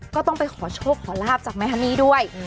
ก็ต้องไปขอโชคขอลาบจากแม่ฮันนี่ด้วย